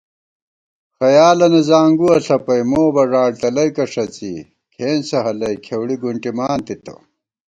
خیالَنہ زانگُوَہ ݪَپَئی مو بژاڑتلَئیکہ ݭَڅی کھېنسہ ہلَئی کھېوڑِی گُنٹِمان تِتہ